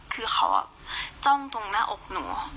คือเขาจ้องตรงหน้าอกหนู